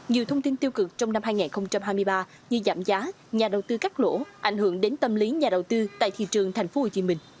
nhiều thông tin tiêu cực trong năm hai nghìn hai mươi ba như giảm giá nhà đầu tư cắt lỗ ảnh hưởng đến tâm lý nhà đầu tư tại thị trường tp hcm